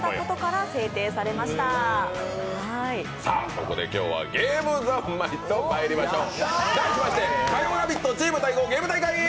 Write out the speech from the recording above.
そこで今日はゲーム三昧とまいりましょう。